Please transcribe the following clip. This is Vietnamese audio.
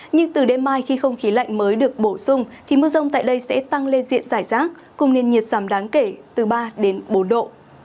nhưng từ đêm mai khi không khí lạnh mới được bổ sung thì mưa rông tại đây sẽ tăng lên diện giải rác cùng nền nhiệt giảm đáng kể từ ba đến bốn độ